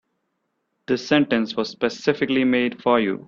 This sentence was specifically made for you.